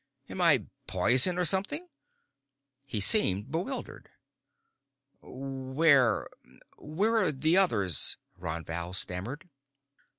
"Am I poison, or something?" He seemed bewildered. "Where where are the others?" Ron Val stammered.